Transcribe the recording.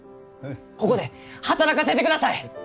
ここで働かせてください！